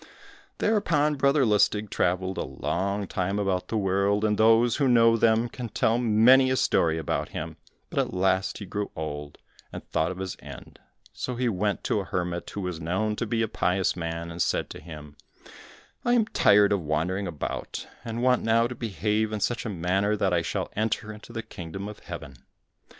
Thereupon Brother Lustig travelled a long time about the world, and those who know them can tell many a story about him, but at last he grew old, and thought of his end, so he went to a hermit who was known to be a pious man, and said to him, "I am tired of wandering about, and want now to behave in such a manner that I shall enter into the kingdom of Heaven."